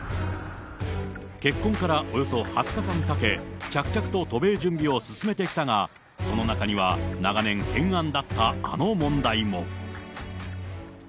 結婚からおよそ２０日間かけ、着々と渡米準備を進めてきたが、その中には、長年、懸案だったあの問題も。